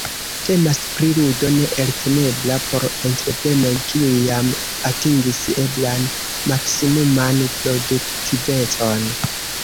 Temas pri ludo ne eltenebla por entreprenoj, kiuj jam atingis eblan maksimuman produktivecon.